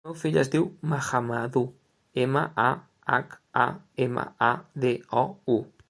El meu fill es diu Mahamadou: ema, a, hac, a, ema, a, de, o, u.